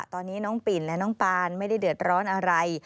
ตอนนี้น้องปิ่นและน้องปานไม่ได้เดือดร้อนอะไร